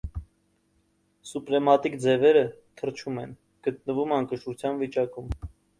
Սուպրեմատիկ ձևերը «թռչում են», գտնվում անկշռության վիճակում։